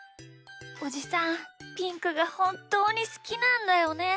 おじさんピンクがほんっとうにすきなんだよね。